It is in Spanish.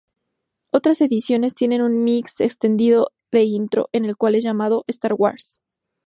Otras ediciones tienen un mix extendido de "Intro" el cual es llamado "Star Wars".